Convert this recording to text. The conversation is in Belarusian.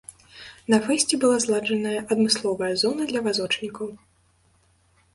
На фэсце была зладжаная адмысловая зона для вазочнікаў.